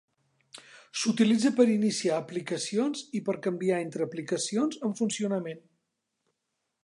S'utilitza per iniciar aplicacions i per canviar entre aplicacions en funcionament.